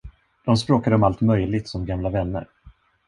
De språkade om allt möjligt som gamla vänner.